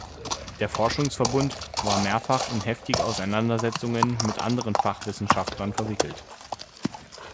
Der Forschungsverbund war mehrfach in heftige Auseinandersetzungen mit anderen Fachwissenschaftlern verwickelt.